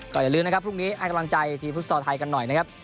ก็อย่าลืมให้กำลังใจพรุษธศน